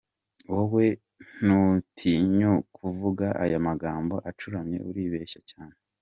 Wowe utinyuka kuvuga aya magambo acuramye uribeshya cyane.